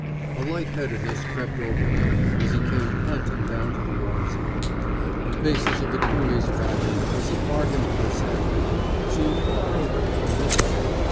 A lightheadedness crept over him as he came panting down to the water's edge. The faces of the coolies about him, as he bargained for a sampan, seemed far away and misty.